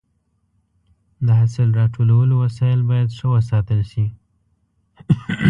د حاصل راټولولو وسایل باید ښه وساتل شي.